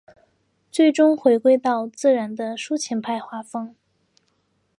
最终回归到自然的抒情派画风。